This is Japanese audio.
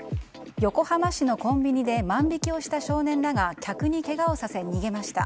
横浜市のコンビニで万引きをした少年らが客にけがをさせ逃げました。